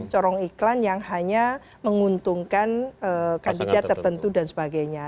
corong iklan yang hanya menguntungkan kandidat tertentu dan sebagainya